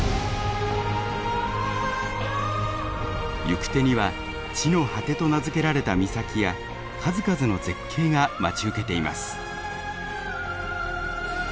行く手には地の果てと名付けられた岬や数々の絶景が待ち受けています。